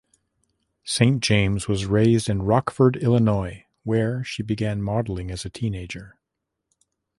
Saint James was raised in Rockford, Illinois, where she began modeling as a teenager.